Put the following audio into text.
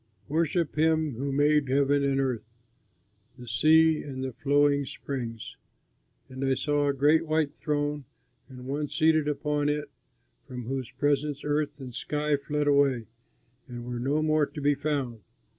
Worship him who made heaven and earth, the sea and the flowing springs." And I saw a great white throne and One seated upon it from whose presence earth and sky fled away, and were no more to be found.